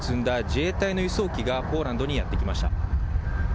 自衛隊の輸送機がポーランドにやって来ました。